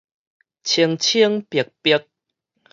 清清白白